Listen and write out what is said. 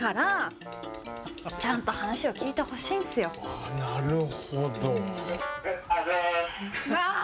あなるほど。